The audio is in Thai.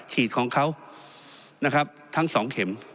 ฉีดของเขานะครับทั้ง๒เข็ม